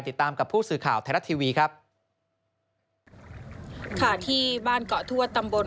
ติดตามกับผู้สื่อข่าวไทยรัฐทีวีครับค่ะที่บ้านเกาะทวดตำบล